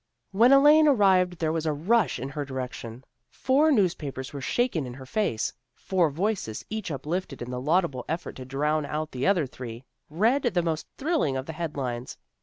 When Elaine arrived there was a rush in her direction. Four newspapers were shaken in her face. Four voices, each uplifted in the laudable effort to drown out the other three, read the most thrilling of the head lines.